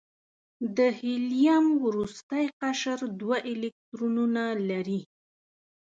د هیلیم وروستی قشر دوه الکترونونه لري.